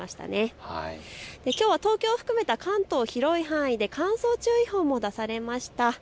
きょうは東京を含めた関東、広い範囲で乾燥注意報も出されました。